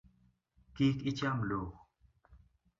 Kik icham lowo.